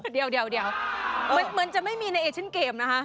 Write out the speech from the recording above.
เดี๋ยวเหมือนจะไม่มีในเอเชนเกมนะคะ